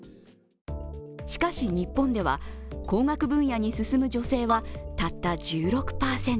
しかし、日本では工学分野に進む女性はたった１６％。